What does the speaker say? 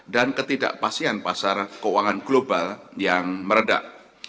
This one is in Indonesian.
dan ketidakpastian pasar keuangan global yang meredak